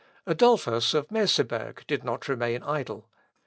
Adolphus of Merseberg did not remain idle.